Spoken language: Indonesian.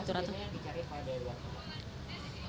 maksudnya yang dicarik pada di luar sana